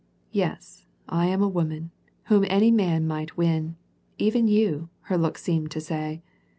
Yes, I am a woman, whom any man might win, — even you,'' her look seemed to say.